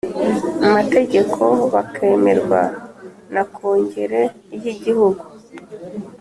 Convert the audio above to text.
mategeko bakemerwa na Kongere y Igihugu